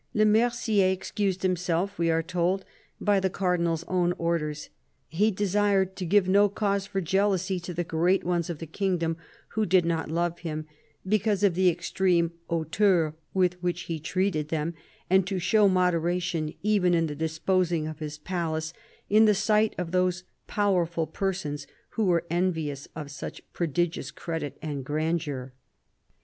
Le Mercier excused himself, we are told, by the Cardinal's own orders : he desired to give no cause for jealousy to the great ones of the kingdom who did not love him " because of the extreme hauteur with which he treated them, and to show moderation, even in the disposing of his palace, in the sight of those powerful persons who were envious of such prodigious credit and grandeur."